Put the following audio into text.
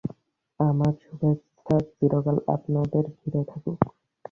আমার শুভেচ্ছা চিরকাল আপনাদের ঘিরে থাকুক।